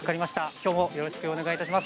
きょうもよろしくお願いいたします。